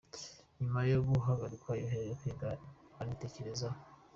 Nyuma yo guhagarikwa yoherejwe kwiga, anitekerezaho